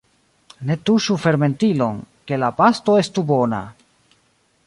Ne tuŝu fermentilon, ke la pasto estu bona!